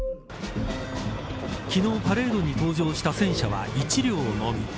昨日、パレードに登場した戦車は１両のみ。